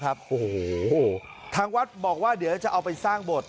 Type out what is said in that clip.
โอ้โหทางวัดบอกว่าเดี๋ยวจะเอาไปสร้างบท